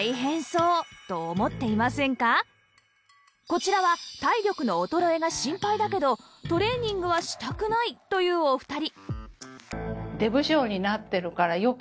こちらは体力の衰えが心配だけどトレーニングはしたくないというお二人